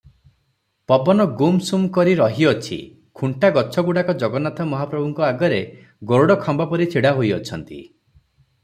ପବନ ଗୁମସୁମ କରି ରହିଅଛି, ଖୁଣ୍ଟା ଗଛଗୁଡ଼ାକ ଜଗନ୍ନାଥ ମହାପ୍ରଭୁଙ୍କ ଆଗରେ ଗରୁଡ଼ଖମ୍ବ ପରି ଛିଡ଼ା ହୋଇଅଛନ୍ତି ।